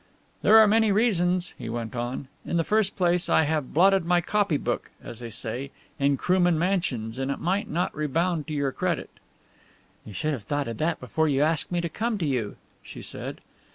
"There are many reasons," he went on. "In the first place, I have blotted my copy book, as they say, in Krooman Mansions, and it might not rebound to your credit." "You should have thought of that before you asked me to come to you," she said.